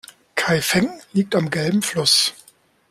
Kaifeng liegt am Gelben Fluss.